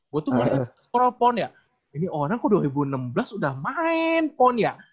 gue tuh banyak strol pon ya ini orang kok dua ribu enam belas udah main pon ya